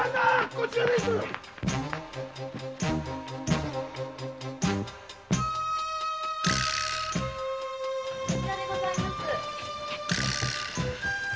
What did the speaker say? こちらでございます。